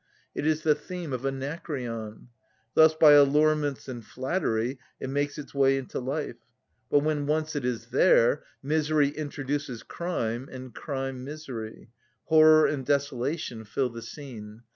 It is the theme of Anacreon. Thus by allurements and flattery it makes its way into life. But when once it is there, misery introduces crime, and crime misery; horror and desolation fill the scene.